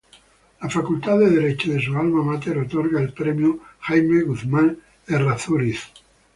La Facultad de Derecho de su alma máter otorga el Premio Jaime Guzmán Errázuriz.